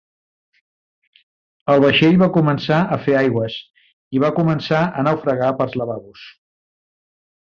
El vaixell va començar a fer aigües i va començar a naufragar pels lavabos.